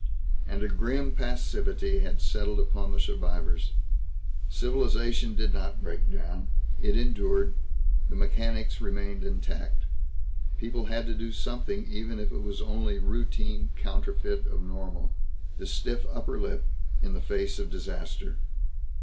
And a grim passivity had settled upon the survivors. Civilization did not break down. It endured. The mechanics remained intact. People had to do something even if it was only routine counterfeit of normal life the stiff upper lip in the face of disaster.